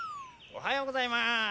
おはようございます！